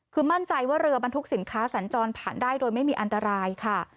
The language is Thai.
คือมั่นใจว่าเรือบรรทุกสินค้าสัญจรผ่านได้โดยไม่มีอันตรายค่ะ